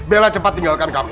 bella cepat tinggalkan kami